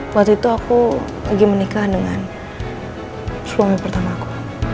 waktu itu aku lagi menikah dengan suami pertama aku